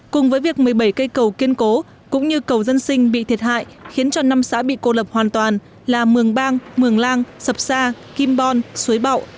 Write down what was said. cùng với việc một mươi bảy cây cầu kiên cố cũng như cầu dân sinh bị thiệt hại khiến cho năm xã bị cô lập hoàn toàn là mường bang mường la sập sa kim bon suối bậu